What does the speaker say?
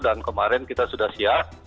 dan kemarin kita sudah siap